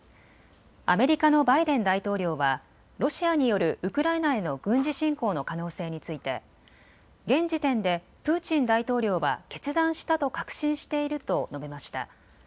アメリカのバイデン大統領はロシアによるウクライナへの軍事侵攻の可能性について現時点でプーチン大統領は決断したと確信していると述べました。